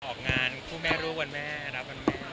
ออกงานผู้แม่รู้กว่าแม่รักกว่าแม่